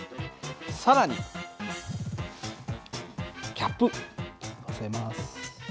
更にキャップのせます。